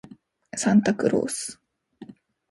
サンタクロース